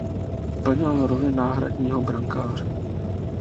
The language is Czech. Plnil roli náhradního brankáře.